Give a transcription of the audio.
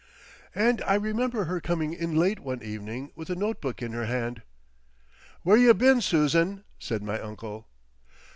And I remember her coming in late one evening with a note book in her hand. "Where ya been, Susan?" said my uncle.